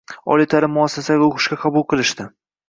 Oliy ta’lim muassasalariga o‘qishga qabul qilishdi